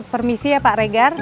permisi ya pak regar